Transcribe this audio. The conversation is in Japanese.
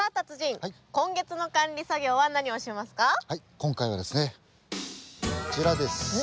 今回はですねこちらです！